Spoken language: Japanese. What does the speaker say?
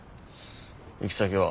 行き先は？